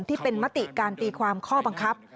ที่เป็นมติการตีความข้อบังคับ